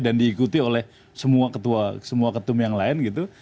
dan diikuti oleh semua ketua semua ketum yang lain gitu